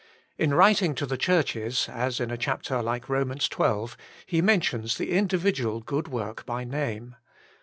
^ In writing to the Churches, i as in a chapter hke Romans xii. he mentions the individual good work by name.